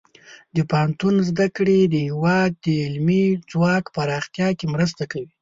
د پوهنتون زده کړې د هیواد د علمي ځواک پراختیا کې مرسته کوي.